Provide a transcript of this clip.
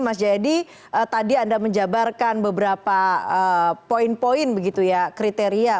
mas jayadi tadi anda menjabarkan beberapa poin poin begitu ya kriteria